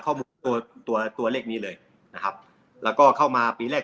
ตัวตัวตัวเลขนี้เลยนะครับแล้วก็เข้ามาปีแรก